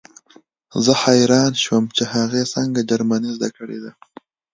زه حیران شوم چې هغې څنګه جرمني زده کړې ده